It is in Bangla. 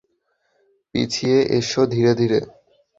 পিছিয়ে এসো, ধীরে ধীরে।